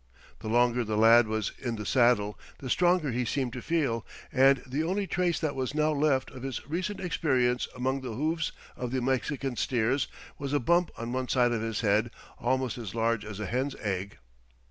The longer the lad was in the saddle, the stronger he seemed to feel, and the only trace that was now left of his recent experience among the hoofs of the Mexican steers was a bump on one side of his head almost as large as a hen's egg.